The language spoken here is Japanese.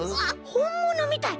ほんものみたい。